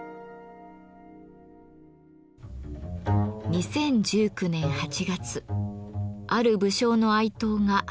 ２０１９年８月ある武将の愛刀が発見されました。